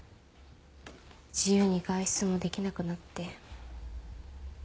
自由に外出もできなくなって。